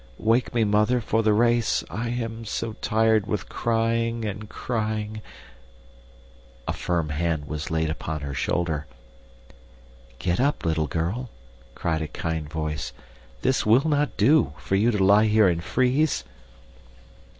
Wake me, Mother, for the race. I am so tired with crying, and crying A firm hand was laid upon her shoulder. "Get up, little girl!" cried a kind voice. "This will not do, for you to lie here and freeze."